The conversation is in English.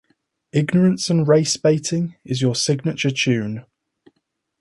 Ignorance and race baiting is your signature tune.